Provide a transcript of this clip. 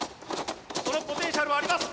そのポテンシャルはあります！